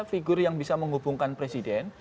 figur yang bisa menghubungkan presiden